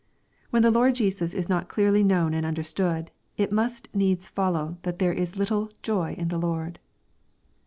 When the Lord Jesus is not clearly known and understood, it must needs follow that there is little "joy in the Lord."